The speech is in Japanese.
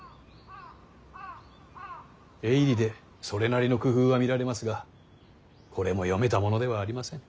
絵入りでそれなりの工夫は見られますがこれも読めたものではありません。